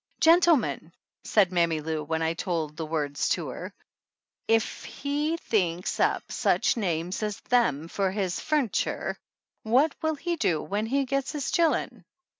"Gentle men!" said Mammy Lou when I told the words to her, "if he thinks up such names as them for his fu'niture what mil he do when he gets to his chil'en